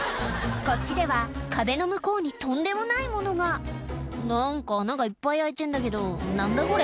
こっちでは壁の向こうにとんでもないものが「何か穴がいっぱい開いてんだけど何だ？